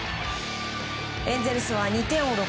エンゼルスは２点を追う